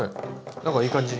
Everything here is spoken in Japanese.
何かいい感じに。